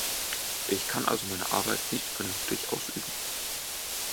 Ich kann also meine Arbeit nicht vernünftig ausüben.